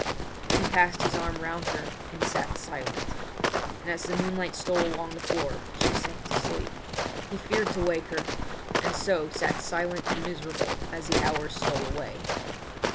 He passed his arm round her and sat silent; and as the moonlight stole along the floor she sank to sleep. He feared to wake her; and so sat silent and miserable as the hours stole away.